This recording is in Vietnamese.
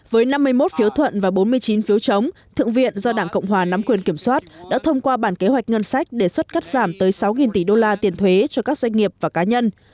với năm mươi một phiếu thuận và bốn mươi chín phiếu chống thượng viện do đảng cộng hòa nắm quyền kiểm soát đã thông qua bản kế hoạch ngân sách đề xuất cắt giảm tới sáu tỷ đô la tiền thuế cho các doanh nghiệp và cá nhân